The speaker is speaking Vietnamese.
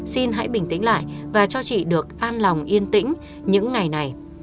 xin hãy bình tĩnh lại và cho chị được an lòng yên tĩnh những ngày này